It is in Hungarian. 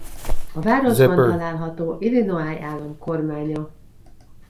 A városban található Illinois állam kormánya.